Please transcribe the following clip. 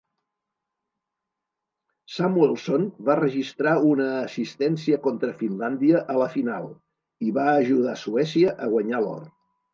Samuelsson va registrar una assistència contra Finlàndia a la final, i va ajudar Suècia a guanyar l'or.